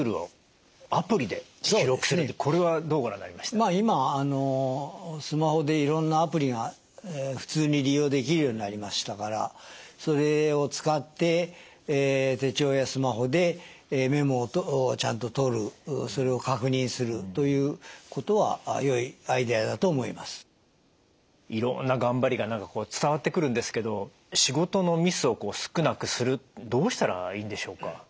まあ今スマホでいろんなアプリが普通に利用できるようになりましたからそれを使って手帳やスマホでメモをちゃんととるいろんな頑張りが伝わってくるんですけど仕事のミスを少なくするどうしたらいいんでしょうか？